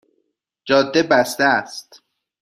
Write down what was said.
جاده بسته است